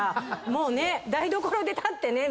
もうね台所で立ってね